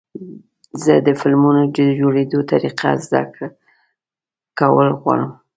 زه د فلمونو د جوړېدو طریقه زده کول غواړم.